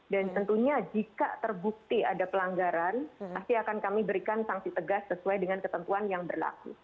dan tentunya jika terbukti ada pelanggaran pasti akan kami berikan sanksi tegas sesuai dengan ketentuan yang berlaku